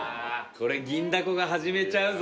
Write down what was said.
これ銀だこが始めちゃうぞ